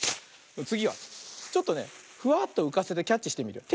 つぎはちょっとねフワッとうかせてキャッチしてみるよ。